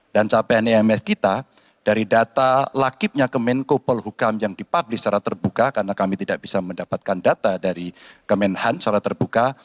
dan capaian imf kita dari data lakibnya kemenko polhukam yang dipublish secara terbuka karena kami tidak bisa mendapatkan data dari kemenhan secara terbuka